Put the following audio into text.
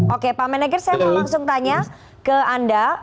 oke pak menegr saya mau langsung tanya ke anda